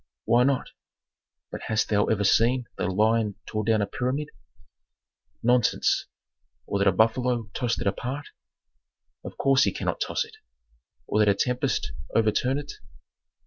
"Why not?" "But hast thou ever seen that a lion tore down a pyramid?" "Nonsense!" "Or that a buffalo tossed it apart?" "Of course he cannot toss it." "Or that a tempest overturned it."